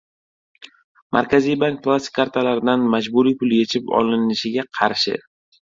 Markaziy bank plastik kartalardan majburiy pul yechib olinishiga qarshi